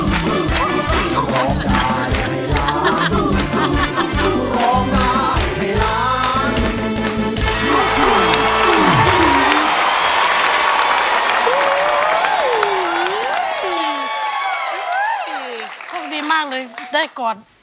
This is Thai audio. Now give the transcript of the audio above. โชคดีมากเลยได้ก่อน